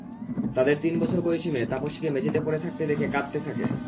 তাঁদের তিন বছর বয়সী মেয়ে তাপসীকে মেঝেতে পড়ে থাকতে দেখে কাঁদতে থাকে।